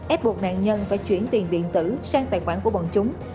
ép buộc nạn nhân phải chuyển tiền điện tử sang tài khoản của bọn chúng